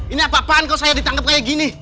ini apa apaan kau saya ditangkep kayak gini